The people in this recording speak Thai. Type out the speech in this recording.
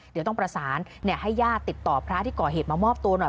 เดี๋ยวต้องประสานให้ญาติติดต่อพระที่ก่อเหตุมามอบตัวหน่อย